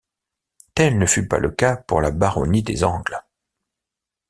Tel ne fut pas le cas pour la Baronnie des Angles.